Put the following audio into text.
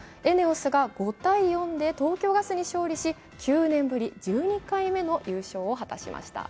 ＥＮＥＯＳが５−４で東京ガスに勝利し９年ぶり１２回目の優勝を果たしました。